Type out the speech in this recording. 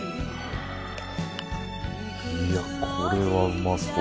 いやこれはうまそう。